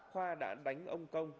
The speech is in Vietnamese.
khoa đã đánh ông công